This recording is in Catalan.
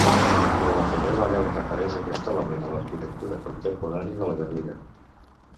En la primera vegada que apareix aquest element a l'arquitectura contemporània de la Garriga.